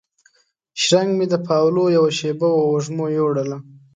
شرنګ مې د پاولو یوه شیبه وه وږمو یووړله